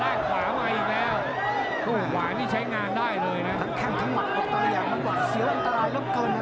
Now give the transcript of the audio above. อีกแล้วโอ้ยหวานี่ใช้งานได้เลยน่ะทั้งแข้งทั้งหมดออกตัวอย่างมันกว่าเสียวอันตรายแล้วเกินอ่ะ